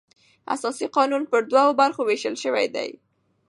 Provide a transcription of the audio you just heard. اساسي قانون پر دوو برخو وېشل سوى دئ.